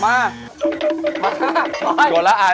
มาเลยมา